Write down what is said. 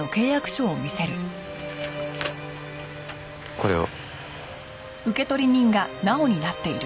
これを。